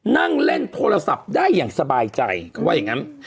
นั่งเล่นโทรศัพท์ได้อย่างสบายใจเขาว่าอย่างนั้น